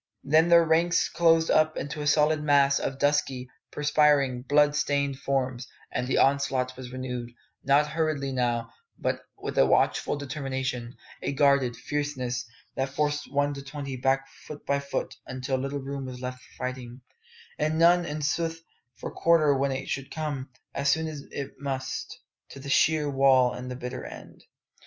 Then their ranks closed up into a solid mass of dusky, perspiring, blood stained forms, and the onslaught was renewed not hurriedly now, but with a watchful determination, a guarded, fierceness, that forced One to twenty back foot by foot until but little room was left for fighting, and none, in sooth, for quarter when it should come, as soon it must, to the sheer wall and the bitter end.